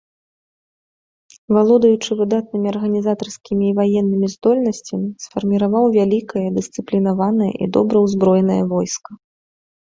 Валодаючы выдатнымі арганізатарскімі і ваеннымі здольнасцямі, сфарміраваў вялікае, дысцыплінаванае і добра ўзброенае войска.